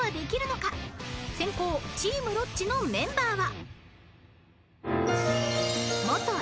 ［先攻チームロッチのメンバーは］